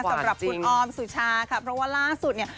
สำหรับคุณออมสุชาค่ะเพราะว่าล่าสุดเนี่ย